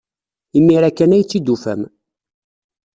Imir-a kan ay tt-id-tufam.